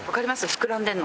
膨らんでるの。